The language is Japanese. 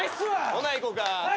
ほな行こか。